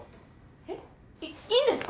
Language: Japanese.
えっいいいんですか？